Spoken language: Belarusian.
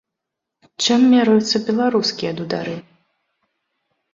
Чым мераюцца беларускія дудары?